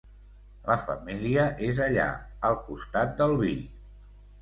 La família és allà, al costat del vi.